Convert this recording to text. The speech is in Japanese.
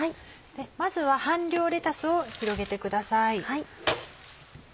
まずは半量レタスを広げてください。